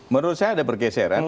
menurut saya ada pergeseran